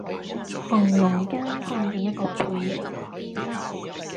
濛朧間看見一個背影